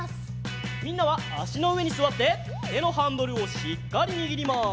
みんなはあしのうえにすわっててのハンドルをしっかりにぎります。